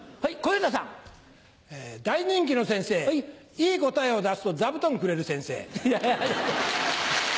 いい答えを出すと座布団くれる先生。